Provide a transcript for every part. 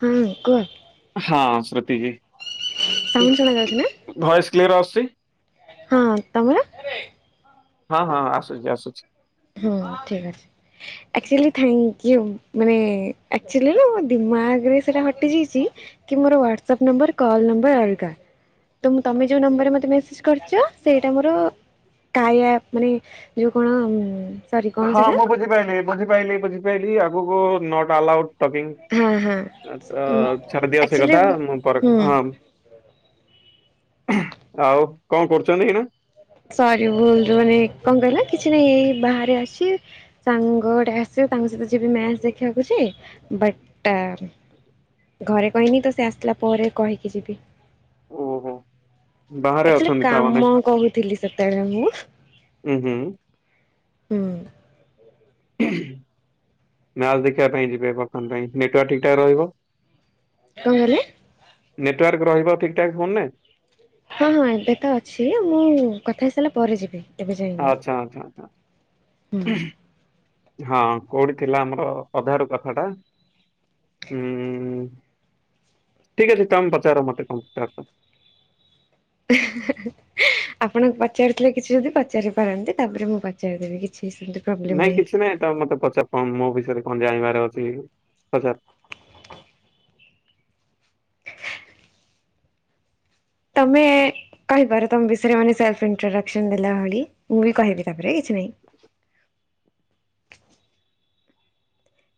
ହୁଁ କୁହ ହଁ ସ୍ମୃତିଜି ସାଉଣ୍ଡ ସୁଣା ଜାଉଛିନା। ଭଏସ୍ କ୍ଲିୟର ଆସୁଚି। ହଁ ତମର ହଁ ହଁ ଆସୁଛି ଆସୁଛି ହଁ ଠିକ ଅଛି। ଆକ୍ଚୁଆଲି ଥାଙ୍କ ୟୁ ମନେ ଆକଚୁଆଲି ରୁ ଦିମାଗ ରେ ସେଟା ହଟି ଯାଇଛି। କି ମୋର ହ୍ଵାଟସଆପ୍ ନମ୍ବର କଲ୍ ନମ୍ବର ଅଲଗା। ତମେ ଯୋଉ ନମ୍ବରରେ ମତେ ମେସେଜ୍ କରିଛ ସେଇଟା ମୋର କାଇଆ ମାନେ ଯୋଉ କଣ ସରି କଣ ହଁ ସେଇଟା ମୁଁ ବୁଝିପାଇଲିି ବୁଝିପାଇଲି ବୁଝିପାଇଲି ଆଗକୁ ନଟ୍ ଆଲାଉଡ୍। ହଁ ତ ହଁ। ଛାଡ଼ିଦିଅ ସେ ଆକ୍ଚୁଆଲି କଥା ମୁଁ ପରେ ହୁଁ ହଁ ଆଉ କଣ କରୁଛନ୍ତି ଏଇନା? ସରି ଭୁଲ୍ ମାନେ କଣ କହିଲେ କିଛି ନାଇଁ ବାହାରେ ଆସିଛି। ସାଙ୍ଗ ଗଟେ ଆସିବ ତାଙ୍କ ସହିତ ଯିବି ମ୍ୟାଚ୍ ଦେଖିବାକୁଛି ବଟ୍ ଘରେ କହିନି ତ ସେ ଆସିଲା ପରେ କହିକି ଯିବି। ଓହୋ। ବାହାରେ ଅକ୍ଚୂଆଲି ଅଛନ୍ତି ତାମାନେ କାମ କହୁଥିଲି ସେତେବେଳେ ମୁଁ। ଉଁ ହୁଁ। ହୁଁ। ମ୍ୟାଚ୍ ଦେଖିବା ପାଇଁ ଯିବେ ବର୍ତ୍ତମାନ ପାଇଁ ନେଟୱାର୍କ ଠିକ୍ ଠାକ୍ ରହିବ? କଣ କହିଲେ? ନେଟୱାର୍କ ରହିବ ଠିକ୍ ଠାକ୍ ଫୋନ ନେ? ହଁ ହଁ ଏବେ ତ ଅଛି ମୁଁ କଥା ହେଇ ସାରିଲା ପରେ ଯିବି। ଏବେ ଯାଇନି ଆଚ୍ଛା ଆଛା ଆଛା। ହୁଁ। ହଁ କୋଉଠି ଥିଲା ଆମର ଅଧାରୁ କଥାଟା? ଉଁ ଠିକ୍ ଅଛି ତମେ ପଚାର ମତେ କଣ ପଚାରୁଚ। ହା [unintelligible] ଆପଣଙ୍କୁ ପଚାରିଥିଲେ କିଛି ଯଦି ପଚାରି ପାରନ୍ତି ତାପରେ ମୁଁ ପଚାରିଦେବି କିଛି ପ୍ରୋବ୍ଲେମ ନାଇଁ ନାହିଁ। କିଛି ନାଇଁ ତମେ ମତେ ପଚାର କଣ ମୋ ବିଷୟରେ କଣ ଜାଣିବାର ଅଛି ପଚାର। ତମେ କହିପାର ତମ ବିଷୟରେ ସେଲ୍ଫ ଇଣ୍ଟ୍ରଡକ୍ସନ ଦେଲା ଭଳି ମୁଁ ବି କହିବି ତାପରେ କିଛି ନାହିଁ।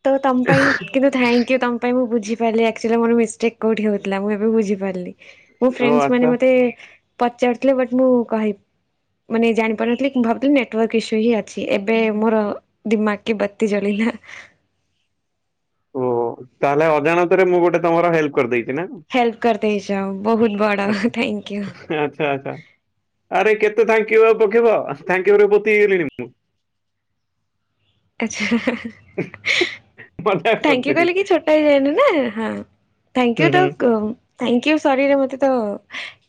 ତ ତମ୍ ପାଇଁ କିନ୍ତୁ ଥାଙ୍କ ୟୁ ତମ ପାଇଁ ମୁଁ ବୁଝିପାରିଲି ଆକଚୁଆଲି ମୋର ମିଷ୍ଟେକ୍ କୋଉଠି ହଉଥିଲା ମୁଁ ଏବେ ବୁଝିପାରିଲି। ମୋ ଓ ଫ୍ରେଣ୍ଡସ୍ ମାନେ ଆଚ୍ଛା ମତେ ପଚାରୁିଥିଲେ ବଟ୍ ମୁଁ କହି ମାନେ ଜାଣିପାରୁନଥିଲି କି ମୁଁ ଭାବଥିଲି ନେଟ୍ ଇସୁ ହିଁ ଅଛି ଏବେ ମୋର ଦିମାଗ୍ କି ବତି ଜଳିଲା। ଓ ତାହେଲେ ଅଜାଣତରେ ମୁଁ ଗୋଟେ ତମର ହେଲ୍ପ କରିଦେଇଛି ନା କଣ? ହେଲ୍ପ କରିଦେଇଛ ବହୁତ ବଡ଼ ଥାଙ୍କୟୁ। ଆଚ୍ଛା ଆଚ୍ଛା। ଆରେ କେତେ ଥାଙ୍କ ୟୁ ପକେଇବ ଥାଙ୍କ ୟୁ ରେ ପୋତିହେଇଗଲିଣି। ଆଚ୍ଛା। ହ [unintelligible] ଥାଙ୍କ୍ୟୁ କହିଲେ କିଏ ଛୋଟ ହେଇଯାଏନି ନା ହଁ ଥାଙ୍କ ହୁଁ ୟୁ ତ ହୁଁ କ ଥ୍ୟାଙ୍କ ୟୁ ସରିରେ ମୋତେ ତ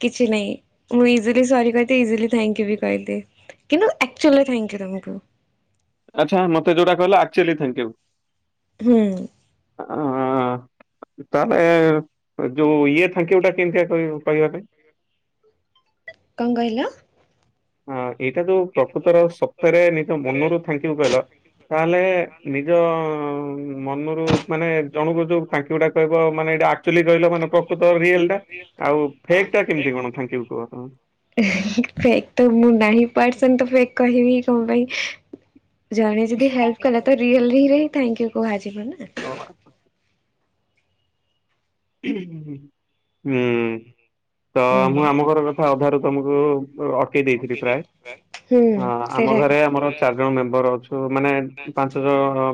କିଛି ନାହିଁ। ମୁଁ ଇଜିଲି ସରି କହି ଦିଏ ଇଜିଲି ଥାଙ୍କ ୟୁ ବି କହିଦିଏ କିନ୍ତୁ ଆକଚୁଆଲି ଥାଙ୍କ ୟୁ ତମକୁ। ଆଚ୍ଛା ମତେ ଯୋଟା କହିଲ ଆକଚୁଆଲି ଥ୍ୟାଙ୍କ ୟୁ। ହୁଁ। ଅ ତାହଲେ ଯୋଉ ଇଏ ସାଙ୍କଉଟା କେମିତି ପାଇବା ପାଇଁ [unintelligible] କଣ କହିଲ? ହ ଏଇଟା ଯୋଉ ପ୍ରକୃତର ସତରେ ନିଜ ମନରୁ ଥ୍ୟାଙ୍କୟୁ କହିଲ ତାହେଲେ ନିଜ ମନରୁ ମାନେ ଜଣକୁ ଯୋଉ ଥଙ୍କୁୟୁ ଟା କହିବ ମାନେ ଆକ୍ଚୁଆଲି କହିଲ ମାନେ ପ୍ରକୃତ ରିଅଲ ଟା। ଆଉ ଫେକ୍ ଟା କେମତି କଣ ଥାଙ୍କୁୟୁ କୁହ ତମେ। ଫେକ୍ ତ ମୁଁ ନାହିଁ ବଟ ତ ଫେକ୍ କହିବି କଣ ପାଇଁ। ଜଣେ ଯଦି ହେଲ୍ପ କଲେ ତ ରିଅଲ ହିରେ ଥୁ କୁହାଯିବ ନା। [unintelligible] ହ [unintelligible] ତ ମୁଁ ଆମ ଘର କଥା ଅଧାରୁ ତମକୁ ଅଟକେଇ ଦେଇଥିଲି ପ୍ରାୟ। ହୁଁ ହଁ ଆମ ସେଇଟା ଘରେ ଆମର ଚାରି ଜଣ ମେମ୍ବର ଅଛୁ ମାନେ ପାଞ୍ଚ ଜଣ।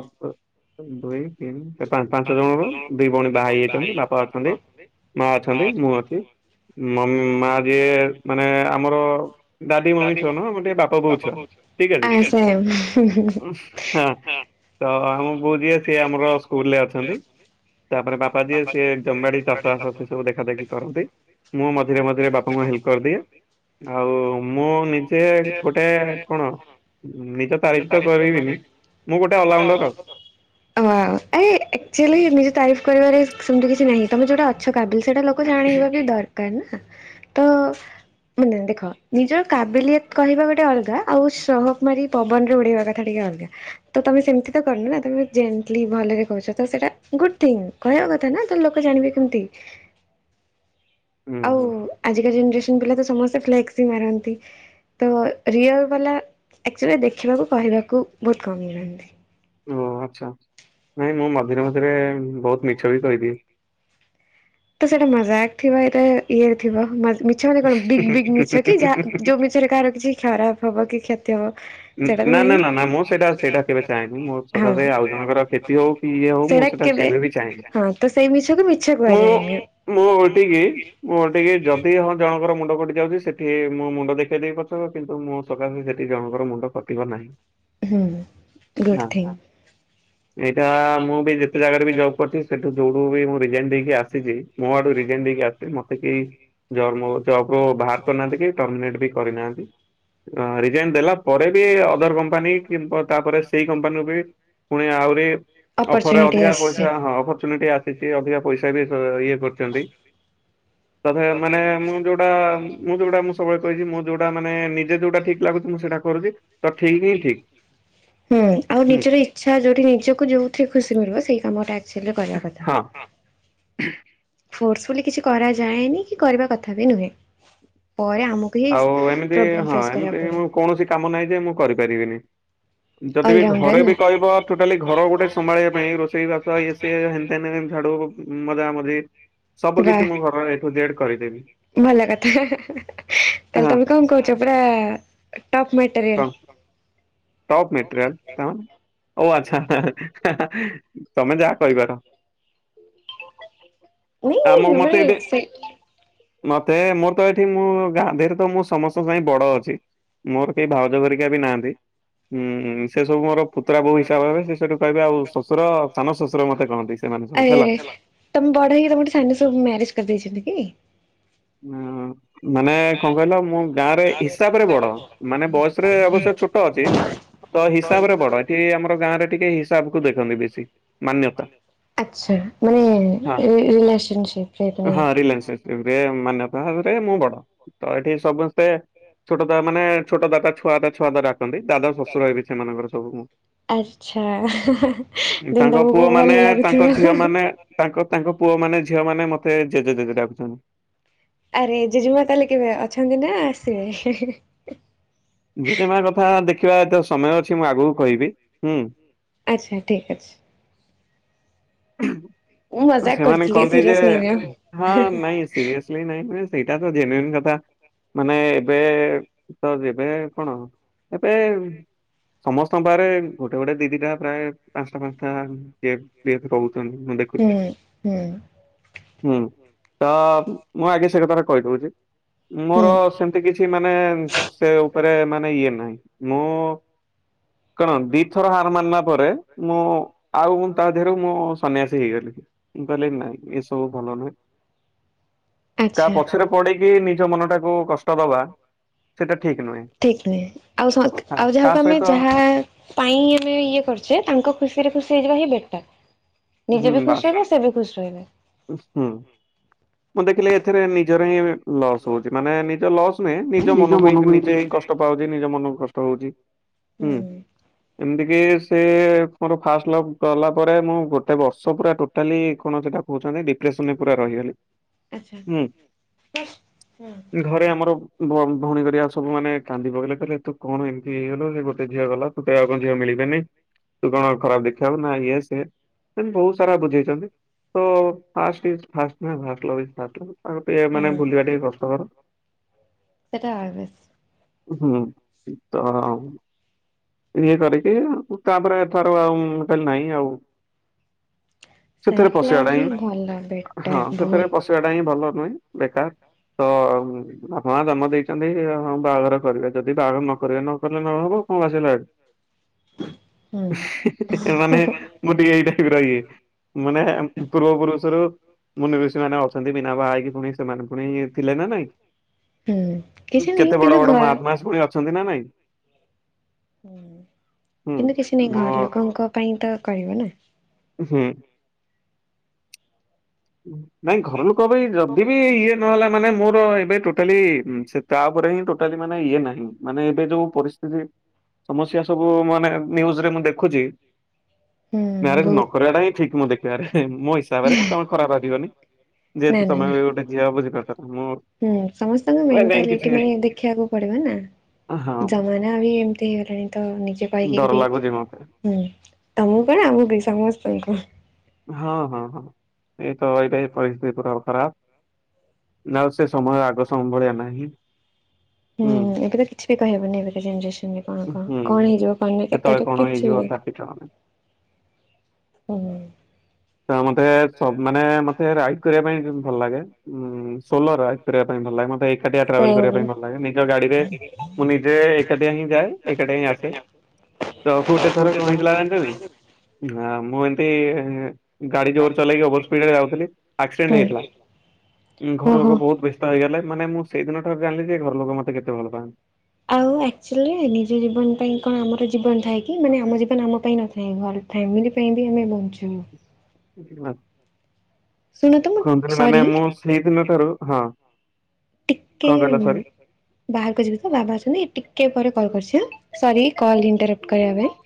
ଦୁଇ ତିନି ପାଞ୍ଚ ଜଣ ରୁ ଦି ଭଉଣୀ ବାହା ହେଇଯାଇଛନ୍ତି ବାପା ଅଛନ୍ତି ମା ଅଛନ୍ତି ମୁଁ ଅଛି। ମା ଯିଏ ମାନେ ଆମର ଦଡାଡି ମମି ଛୁଅ ନା ମମର ଟିକେ ବାପା ବୋଉ ଛୁଆ। ଠିକ ଅଛି ଆ ସେମ୍। ହଁ। ତ ଆମ ବୋଉ ଯିଏ ସିଏ ଆମର ସ୍କୁଲ ରେ ଅଛନ୍ତି ତାପରେ ବାପା ଯିଏ ସେ ଜମିବାଡ଼ି ଚାଷବାସ ସେସବୁ ଦେଖାଦେଖି କରନ୍ତି ମୁଁ ମଝିରେ ମଝିରେ ବାପାଙ୍କୁ ହେଲ୍ପ କରିଦିଏ। ଆଉ ମୁଁ ନିଜେ ଗୋଟେ କଣ? ନିଜ ତାରିଫ ତ କରିବିନି ମୁଁ ଗୋଟେ ଅଲରାଉଣ୍ଡର ଆଉ। ଓ ଆଚୁଆଲି ନିଜ ତାରିଫ କରିବାରେ ସେମତି କିଛି ନାହିଁ ତମେ ଯୋଉଟା ଅ ଛ କାବିଲ ସେଟା ଲୋକ ଜାଣେଇବା ବି ଦରକାର ନା ତ ମାନେ ଦେଖ ନିଜର କାବିଲିୟତ କହିବା ଗୋଟେ ଅଲଗା ଆଉ ସହକ ମାରି ପବନରେ ଉଡେଇବା କଥା ଟିକେ ଅଲଗା ତମେ ସେମିତି ତ କରନୁ ନା ତମେ ଜେଣ୍ଟଲି ଭଲରେ କହୁଛ। ତ ସେଇଟା ଗୁଡ ଥିଙ୍ଗ କହିବା କଥା ନା ତ ଲୋକ ଜାଣିବେ କେମତି। ହୁଁ ହୁଁ। ଆଜିକା ଜେନେରେସନ୍ ପିଲା ତ ସମସ୍ତେ ଫ୍ଲେକ୍ସ ସି ମାରନ୍ତି। ତ ରିଅଲ ବାଲା ଆଚୁଲି ଦେଖିବାକୁ କହିବାକୁ ବହୁତ କମ ଯଥାନ୍ତି। ଓ ଆଚ୍ଛା ନାଇଁ ମୁଁ ମଝିରେ ମଝିରେ ବହୁତ ମିଛ ବି କହିଦିଏ। ତ ସେଇଟା ମଜାକ ଥିବାିବ ଏ ଇଏରେ ଥ ମିଛ ମାନେ କଣ ବିଗ୍ ବିଗ ମିଛ କି ଯା ଯୋଉମିଛ। ସେଠି କାହାର କିଛି ଖରାପ ହବ କି କ୍ଷ [unintelligible] ନା ନା ନା ନା ମୁଁ ସେଇଟା ସେଇଟା କେବେ ଚାହେଁନି ମୁଁ ସକାଶେ ଆଉ ଜଣଙ୍କର କ୍ଷତି ହଉ କି ଇଏ ହଉ ମୁଁ ସେଇଟା କେବେ ବି ଚାହେଁନି ହଁ ତ ସେଇ ମିଛକୁ ମିଛ କୁହା ମୁଁ ମୁଁ [unintelligible] ଯଦି ହ ଜଣଙ୍କର ମୁଣ୍ଡ କଟି ଯାଉଛି ସେଠି ମୋ ମୁଣ୍ଡ ଦେଖେଇ ଦେବି ପଛେକେ କିନ୍ତୁ ମୁଁ ସକାଶେ ସେଠି ଜଣଙ୍କର ମୁଣ୍ଡ କଟିବ ନାହିଁ। ହୁଁ ଗୁଡ୍ ଥିଙ୍ଗ ଏଇଟା ମୁଁ ବି ଯେତେ ଜାଗାରେ ବି ଜବ୍ କରିଛି ସେଠୁ ଯୋଉଠୁ ବି ମୁଁ ରିଜାଇନ୍ ଦେଇକି ଆସିଛି ମୋ ଆଡୁ ରିଜାଇନ୍ ଦେଇକି ଆସିଛି ମତେକେହି ଜର୍ମରୁ ଜବ ବାହାର କରିନାହାନ୍ତି କି ଟର୍ମିନେଟ ବି କରିନାହାନ୍ତି ରିଜାଇନ ଦେଲା ପରେ ବି ଅଦର କମ୍ପାନୀ କିମ୍ବା ତାପରେ ସେଇ କମ୍ପାନୀରୁ ବି ପୁଣି ଆହୁରି ଅଫରରେ ଅପରଚୁନିଟି ଅଧିକା ଆସିଛି। ପଇସା ହଁ ଅପରଚୁନିଟି ଆସିଛି ଅଧିକା ପଇସା ବି ଇଏ କରିଛନ୍ତି। ତଥା ମାନେ ମୁଁ ଯୋଉଟା ମୁଁ ଯୋଉଟା ମୁଁ ସବୁବେଳେ କହିଛି ମୁଁ ଯୋଉଟା ମାନେ ନିଜେ ଯୋଉଟା ଠିକ। ଲାଗୁଚିମୁଁ ସେଇଟା କରୁଛି। ତ ଠିକ ହିଁ ଠିକ ହୁଁଠିକି ଆଉ ହୁଁ ନିଜର ଇଛା ଯୋଉଠି ନିଜକୁ ଯୋଉଥିରେ ଖୁସି ମିଳିବ ସେଇ କାମ ଟା ଆକ୍ଚୁଆଲି କରିବା ହଁ କଥାଥଠିକି। [inaudible] ଫୋର୍ସଫୁଲି କିଛି କରାଯାଏନି କି କରିବା କଥା ବି ନୁହେଁ ପରେ ଆମକୁ ହିଁ ଆଉ ଏମିତି ପ୍ରୋବ୍ଲେମ ହଁ, ଫେସ୍ ଏମିତି କରିବାକୁ ପଡେ। ମୁଁ କୌଣସି କାମ ନାହିଁ ଯେ ମୁଁ କରିପାରିବିନି। ଯଦି ବି ଅଲରାଉଣ୍ଡର ଘରେ ନା। ବି କହିବ, ଟୋଟାଲି ଘର ଗୋଟେ ସମ୍ଭାଳିବା ପାଇଁ ରୋଷେଇ, ବାସ ଏଇ- ହେନ ଟେନ ଛାଡୁ ମଜା ମଝି ସବୁ ବା କିଛି ମୁଁ ଘର ଏଠୁ ଯେଡେ କରିଦେବି। ଭଲ କଥା। ତାହେଲେ ହଁ ତମେ କଣ କହୁଛ, ପୁରା ଟପ୍ ମେଟେରିଆଲ। ଟପ ମେଟେରିଅଲ କଣ? ଓ ଆଚ୍ଛା। ହା ହା ତମେ ଯାହା କହିପାର। [unintelligible] ଆମକୁ ନାଇଁ ମାନେ ମତେ ଏବେ ସେ ମତେ ମୋର ତ ଏଠି ମୁଁ ଗାଁ ଦି ରେ ତ ମୁଁ ସମସ୍ତଙ୍କ ସାଙ୍ଗ ବଡ ଅଛି। ମୋର କେହି ଭାଉଜ ହେରିକା ବି ନାହାନ୍ତି। ଉଁ ସେ ସବୁ ମୋର ପୁତୁରା ବୋହୁ ହିସାବ ସେଠୁ କହିବେ, ଆଉ ଶଶୁର ସାନ ଶଶୁର ମତେ କହନ୍ତି ସେମାନେ ସବୁ ଆରେ ହେଲା। ଆରେ ତମେ ବଡ ହେଇକି ତମ ଠୁ ସାନ ସବୁ ମ୍ୟାରେଜ କରିଦେଇଛନ୍ତି କି? ହଁ। ମାନେ କଣ କହିଲ, ମୁଁ ଗାଁ ରେ ହିସାବରେ ବଡ। ମାନେ ବୟସ ରେ ଅବଶ୍ୟ ଛୋଟ ଅଛି। ତ ହିସାବରେ ବଡ ଏଠି ଆମର ଗାଁରେ ଟିକେ ହିସାବ କୁ ଦେଖନ୍ତି ବେଶୀ। ମାନ୍ୟତା। ଆଚ୍ଛା। ମାନେ ହଁ ରିଲସନ ସିପରେ ମାନେ ଏବେ ମାନ୍ୟତା ଭାବରେ ମୁଁ ବଡ। ତ ଏଠି ସମସ୍ତେ ଛୋଟ ଦା ମାନେ ଛୋଟ ଦା ଛୁଆ ଦା, ଛୁଆ ଦା, ଡାକନ୍ତି। ଦାଦା ଶଶୁର ହେବି ସେମାନଙ୍କର ସବୁ ମୁଁ। ଆଚ୍ଛା। ଦେନ ତାଙ୍କ ପୁଅ ତମକୁ ମାନେ ଭଲ ତାଙ୍କ ଲାଗୁଥିବ। ଝିଅ ମାନେ ତାଙ୍କ ତାଙ୍କ ପୁଅ ମାନେ, ଝିଅ ମାନେ ମତେ ଜେଜେ, ଜେଜେ ଡାକୁଛନ୍ତି, ଆରେ ଜେଜେମା ତାହେଲେ କେବେ ଅଛନ୍ତି ନା ଆସିବେ। ଜେଜେମା କଥା ଦେଖିବା, ଏଇତ ସମୟ ଅଛି ମୁଁ ଆଗକୁ କହିବି ହୁଁ। ଆଚ୍ଛା, ଠିକ୍ ଅଛି। ହୁଁ। ମୁଁ ମଜାକ ସେମାନେ କରିଥିଲି କହନ୍ତି ଯେ, ସିରିୟସ୍ ନେଇନିଅ। ହଁ ନାଇଁ ସିରିସେ ନାହଁ ସେଇଟା ତ ଜେନେରିନି କଥା। ମାନେ ଏବେ ତ, ଯେବେ କଣ ଏବେ ସମସ୍ତଙ୍କ ପାହାରେ ଗୋଟେ, ଗୋଟେ, ଦିଦିଟା ପ୍ରାୟ ପାଞ୍ଚଟା, ପାଞ୍ଚଟା କିଏ ପି ଏପେ କହୁଛନ୍ତି। ମୁଁ ଦେଖ ହୁଁ, ହୁଁ। ହୁଁ। ତ ମୁଁ ଆଗେ ସେ କଥା କହିଦଉଛି। ମୋର ହୁଁ। ସେମିତି କିଛି ମାନେ, ସେ ଉପରେ ମାନେ ଇଏ ନାହିଁ। ମୁଁ କଣ ଦିଥର ହାର ମାନିଲା ପରେ, ମୁଁ ଆଉ ମୁଁ ତା ଦେହରୁ ମୁଁ ସନ୍ୟାସୀ ହେଇଗଲି। ମୁଁ କହିଲି ନାଇଁ ଏସବୁ ଭଲ ନୁହେଁ। କାହା ଆଚ୍ଛା। ପଛରେ ପଡି କି ନିଜ ମନଟା, ତାକୁ କଷ୍ଟ ଦବା, ସେଟା ଠିକ ନୁହେଁ ଠିକ ନୁହେଁ। ଆଉ, ହଁ ଆଉ ତା ଯାହାକୁ ଆମେ ସହିତ ଯାହା ପାଇଁ ଆମେ ଇଏ କରୁଛେ, ତାଙ୍କ ଖୁସି ରେ ଖୁସି ହେଇଯିବା ହିଁ ବେଟର। ନିଜେ ହୁଁ ବି ଖୁସି ବାସ୍ ରହିବେ। ସେ ବି ଖୁସି ରହିବେ। ହୁଁ। ମୁଁ ଦେଖିଲି ଏଥିରେ ନିଜର ହିଁ ଲସ୍ ହଉଛି। ମାନେ ନିଜ ଲସ୍ ନୁହେଁ ନିଜ ମନକୁ ହି ନିଜେ ହଁ କଷ୍ଟ, କଷ୍ଟ ପାଉଛି। ନିଜ ମନକୁ କଷ୍ଟ ହଉଛି। ହୁଁ। ଏମିତି କିି ସେ ମୋର ଫାଷ୍ଟ ଲଭ ଗଲା ପରେ ମୁଁ ଗୋଟେ ବର୍ଷ ପୁରା, ଟୋଟାଲି କଣ ସେଇଟା କହୁଛନ୍ତି। ଡିପ୍ରେସନ ରେ ପୁରା ରହିଗଲି। ଆଚ୍ଛା। ହୁଁ ହଁ ଘରେ ଆମର ଭ ଭଉଣୀ ଘରିକା ସବୁ ମାନ କାନ୍ଦି ପକେଇଲେ କହିଲେ ତୁ କଣ ଏମିତି ହେଇଗଲୁ ଗୋଟେ ଝିଅ ଗଲା। ତେ ଆଉ କଁ ଝିଅ ମିଳିବେନି। ତୁ କଣ ଖରାପ ଦେଖିବାକୁ ନା ଇଏ ସିଏ ଏମତି ବହୁତ ସାରା ବୁଝେଇଛନ୍ତି। ତ ଫାଷ୍ଟ ଇଜ ଫାଷ୍ଟ ନାଁ ଭା ଫାଷ୍ଟ ଲଭ ତାକୁ ଟିକେ ମାନେ ହୁଁ ଭୁଲିବା ଟା ବି କଷ୍ଟ କର। ସେଟା ଅଲୱେଜ ହୁଁ ଇ ତ। ଇଏ କରିକି ତାପରେ ଏଥର ଆଉ ମୁଁ କହିଲି ନାହିଁ ଆଉ। ସେଥିରେ ସେଲ୍ଫ ପଶିବା ଲଭ୍ ଟା ହିଁ। ଭଲ ବେଟର ହଁ ସେଥିରେ ବହୁତ। ପଶିବାଟା ଟା ହିଁ ଭଲ ନୁହେଁ ବେକାର ତ। ବାପା ମା ଜନ୍ମ ଦେଇଛନ୍ତି ହଁ ବାହାଘର କରିବେ ଯଦି ବାହାଘର ନ କରିବେ ନକଲେ ନହବ କଣ ଭାସିଗଲା ସେଇଠୁ। ହୁଁ ମାନେ ମୁଁ ଟିକେ ଏଇ ଟାଇପ ର ଇଏ ମାନେ ପୂର୍ବ ପୁରୁଷରୁ। ମୁଁନି ରୁଷି ମାନେ ଅଛନ୍ତି ବିନା ବାହା ହେଇକି ପୁଣି ସେମାନେ ପୁଣି ଥିଲେ ନା ନାଇଁ। ହୁଁ କିଛି ନାହିଁ କେତେ କିନ୍ତୁ ବଡ ବଡ ଘର ହୁଁ ମହାତ୍ମା ସେ ପୁଣି ଅଛନ୍ତି ନା ନାଇଁ। ହୁଁ ହୁଁ କିନ୍ତୁ କିଛି ନାଇଁ ମୋ ଘର ଲୋକଙ୍କ ପାଇଁ ତ କରିବ ନା। ହୁଁ ନାଇଁ ଘର ଲୋକଙ୍କ ପାଇଁ ଯଦି ବି ଇଏ ନହେଲା ମାନେ ମୋର ଏବେ ଟୋ ଟୋଟାଲି ସେ ତା ଉପରେ ହିଁ ଟୋଟାଲି ମାନେ ଇଏ ନାହିଁ ମାନେ ଏବେ ଯୋଉ ପରିସ୍ଥିତି। ସମସ୍ୟା ସବୁ ମାନେ ନ୍ୟୂଜରେ ମୁଁ ଦେଖୁଛି। ହୁଁ ମ୍ୟାରେଜ ନ ବହୁତ କରି ବା ଟା ହିଁ ଠିକ ମୁଁ ଦେଖିବାରେ ମୋ ହିସାବରେ ତମେ ଖରାପ ଭାବିବନି। ନା ଯେହେତୁ ନା ତମେ ନା। ବି ଗୋଟେ ଝିଅ ବୁଝିପାରୁଛ ତ ମୁଁ। ହୁଁ ସମସ୍ତଙ୍କ ଏ ନାଇଁ ମେଣ୍ଟାଲିଟି କିଛି ମାନେ ଦେଖିବାକୁ ପଡିବ ନା। ହଁ ଜମାନା ବି ଏମିତି ହେଇଗଲାଣି ତ ନିଜ ପାଇଁ ଡର କିଏ ବି। ଲାଗୁଛି ମତେ ହୁଁ ତମକୁ କଣ ଆମକୁ ବି ସମସ୍ତଙ୍କୁ। ହଁ ହଁ ହଁ ଏଇ ତ ଏଇ ଟାଇପ ର ପରିସ୍ଥିତି ପୁରା ଖରାପ। ନା ଆଉ ସେ ସମୟ ଆଗ ସମୟ ଭଳିଆ ନାହିଁ। ହୁଁ ହୁଁ ଏବେ ତ କିଛି ବି କହିବନି ଏବେ କା ଜେନେରେସନ୍ ରେ କଣ କଣ ହୁଁ କଣ ହେଇଯିବ କଣ ନାଇଁ ଏଟାତ କିଛି ବି କିଛି ଜଣା ନାହିଁ। ହୁଁ। ତ ମତେ ସବୁ ମାନେ ମତେ ରାଇଡ କରିବା ପାଇଁ ଭଲ ଲାଗେ ଉଁ। ସୋଲୋ ରାଇଡ କରିବା ପାଇଁ ଭଲ ଲାଗେ ମତେ ଏକାଟିଆ ଟ୍ରାଭେଲ କରିବା ପାଇଁ ଭଲ ଲାଗେ ନିଜ ଗାଡିରେ। ମୁଁ ନିଜେ ଏକାଟିଆ ହିଁ ଯାଏ ଏକାଟିଆ ହିଁ ଆସେ। ତ ଗୋଟେ ଥର କଁ ହେଇଥିଲା ଆ ମୁଁ ଏମତି। ଗାଡି ଜୋର ଚଲେଇକି ଓଭର ସ୍ପିଡରେ ଯାଉଥିଲି ଆକ୍ସିଡେଣ୍ଟ ହେଇଥିଲା ଉଁ ଘର ଓହୋ। ଲୋକ ବହୁତ ବେସ ବେସ୍ତ ହେଇଗଲେ ମାନେ ମୁଁ ସେଇଦିନ ଠାରୁ ଜାଣିଲି ଯେ ଘର ଲୋକ ମତେ କେତେ ଭଲ ପାଆନ୍ତି। ଆଉ ଆକ୍ଚୁଆଲି ନିଜ ଜୀବନ ପାଇଁ କଣ ଆମର ଜୀବନ ଥାଏ କି ମାନେ ଆମ ଜୀବନ ଆମ ପାଇଁ ନଥାଏ ଘର ଫ୍ୟାମିଲି ପାଇଁ ବି ଆମେ ବଞ୍ଚୁ। ଶୁଣ ତ ମୁଁ ହଁ ପରା ମାନେ ସରି ମୁଁ ସେଇଦିନ ଠାରୁ ହଁ। ଟିକେ କଣ କହିଲ ସରି ବାହାରକୁ ଯିବି ତ ବାବା ଅଛନ୍ତି ଟିକେ ପରେ କଲ କରିଛି ହେଲା। ସରି କଲ ଇଣ୍ଟରପ୍ଟ କରିବା ପାଇଁ।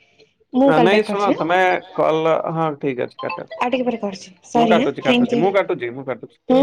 ମୁଁ ନହେଲେ କଲ୍ ନାଇଁ ବ୍ୟାକ୍ ଶୁଣ କରୁଛି ଆଁ ତମେ କଲ ହଁ ଠିକ ଅଛି କାଟ ଆଉ ଟିକେ ପରେ କରୁଛି ମୁଁ ସରି ଆଁ କାଟୁଛି। ଥ୍ୟାଙ୍କ ୟୁ କାଟୁଛି ମୁଁ ହୁଁ କାଟୁଚି ମୁଁ କାଟୁଚି।